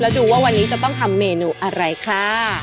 แล้วดูว่าวันนี้จะต้องทำเมนูอะไรค่ะ